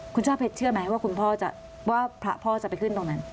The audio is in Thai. คุณชาเพชรเชื่อไหมว่าพระพ่อจะไปขึ้นตรงนั้น